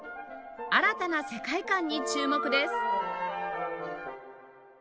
新たな世界観に注目です